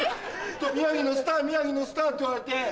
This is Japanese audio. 宮城のスター宮城のスターって言われて。